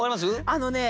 あのね